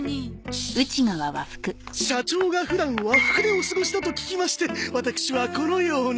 シーッ！社長が普段和服でお過ごしだと聞きましてワタクシはこのように。